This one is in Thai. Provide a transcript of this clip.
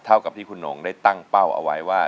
เท่ากับที่คุณหนงได้ตั้งเป้าเอาไว้ว่า